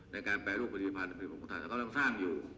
ในการแปรรูปผลิตภัณฑ์ผลิตภัณฑ์ของท่านเขาก็ต้องสร้างอยู่